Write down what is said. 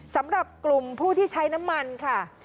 สำหรับกลุ่มผู้ที่ใช้น้ำมันค่ะ